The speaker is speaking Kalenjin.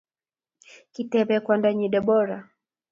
Kitebee kwangdoyii Deborah.